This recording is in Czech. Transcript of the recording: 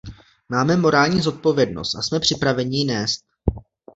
Máme morální zodpovědnost a jsme připraveni ji nést.